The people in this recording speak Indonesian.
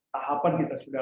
tahapan kita sudah